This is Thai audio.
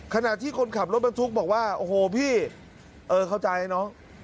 ขณะที่คนขับรถบรรทุกบอกว่าโอ้โหพี่เออเข้าใจน้อง